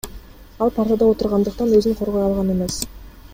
Ал партада отургандыктан өзүн коргой алган эмес.